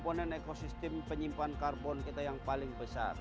komponen ekosistem penyimpan karbon kita yang paling besar